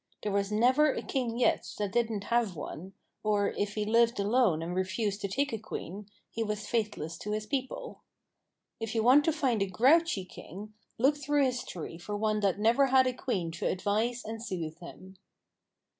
There was never a king yet that didn't have one, or, if he lived alone and refused to take a queen, he was faithless to his people. If you want to find a grouchy king, look through history for one that never had a queen to advise and soothe him.